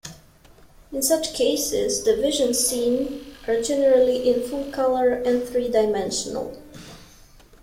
In such cases, the visions seen are generally in full color and three-dimensional.